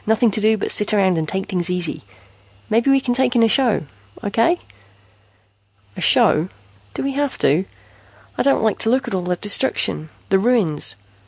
Nothing to do but sit around and take things easy. Maybe we can take in a show. Okay?" "A show? Do we have to? I don't like to look at all the destruction, the ruins.